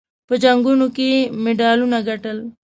په جنګونو کې یې مډالونه ګټل.